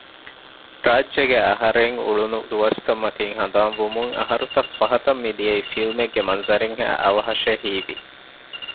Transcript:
ރާއްޖޭގައި އަހަރެން އުޅުނު ދުވަސްތައް މަތީން ހަނދާން ވުމުން އަހަރުތައް ފަހަތަށް މިދިޔައީ ފިލްމެއްގެ މަންޒަރެއްހައި އަވަހަށޭ ހީވި